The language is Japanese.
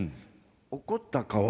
怒った顔。